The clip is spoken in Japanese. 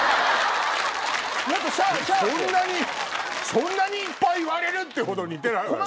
そんなにいっぱい言われるってほど似てないわよ。